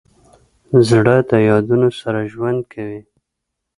زړه د یادونو سره ژوند کوي.